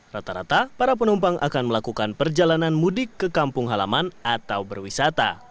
rata rata para penumpang akan melakukan perjalanan mudik ke kampung halaman atau berwisata